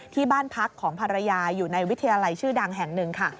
ที่บ้านพักของภรรยาอยู่ในวิทยาลัยชื่อดังแห่งหนึ่งค่ะ